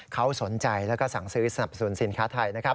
เขาสนใจแล้วก็สั่งซื้อสนับสนุนสินค้าไทยนะครับ